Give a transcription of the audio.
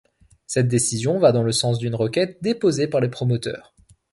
Cette décision va dans le sens d'une requête déposée par les promoteurs.